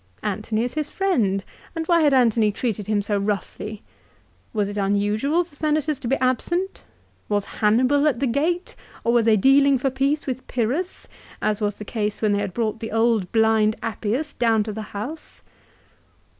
Antony is his friend, and why had Antony treated him so roughly ? Was it unusual for Senators to be absent ? Was Hannibal at the gate, or were they dealing for peace with Pyrrhus as was the case when they brought the old blind Appius down to the House